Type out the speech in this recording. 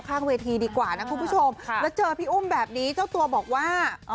ข้างเวทีดีกว่านะคุณผู้ชมแล้วเจอพี่อุ้มแบบนี้เจ้าตัวบอกว่า